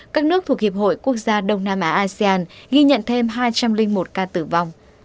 các nước thuộc hiệp hội quốc gia đông nam á asean ghi nhận thêm hai trăm linh một ca tử vong